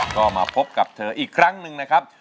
ก็มาพบกับเธออีกครั้งหนึ่งนะครับ